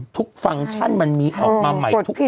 ฟังก์ชั่นมันมีออกมาใหม่ทุกวัน